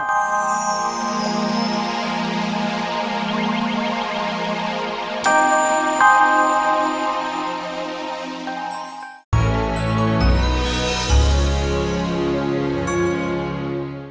kau belum tahu siapa kau berteriak teriak di wilayah